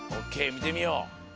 みてみよう。